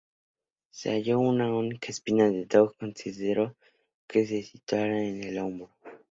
Se halló una única espina pero Dong consideró que se situaría en el hombro.